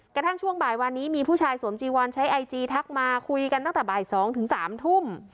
กระทั่งช่วงบ่ายวันนี้มีผู้ชายสวมจีวอนใช้ไอจีทักมาคุยกันตั้งแต่บ่าย๒ถึง๓ทุ่ม